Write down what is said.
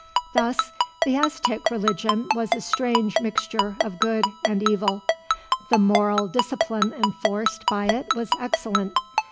Thus the Aztec religion was a strange mixture of good and evil. The moral discipline enforced by it was excellent.